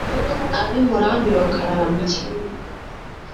Ab’i Murambi bakarambya